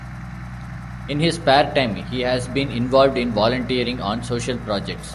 In his spare time, he has been involved in volunteering on social projects.